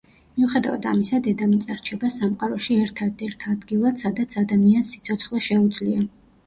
მიუხედავად ამისა, დედამიწა რჩება სამყაროში ერთადერთ ადგილად, სადაც ადამიანს სიცოცხლე შეუძლია.